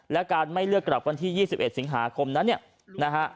และการไม่เลือกกลับวันที่๒๑สิงหาคมนั้น